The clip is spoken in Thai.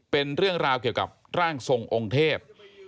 เป็นเรื่องราวเกี่ยวกับร่างทรงองค์เทพ